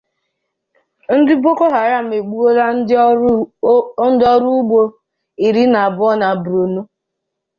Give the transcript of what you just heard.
Ndị Boko Haram Egbuola Ndị Ọrụ Ugbo Iri Na Anọ Na Borno